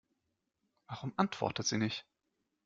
Warum antwortet sie nicht?